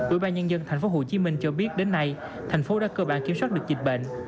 ủy ban nhân dân tp hcm cho biết đến nay thành phố đã cơ bản kiểm soát được dịch bệnh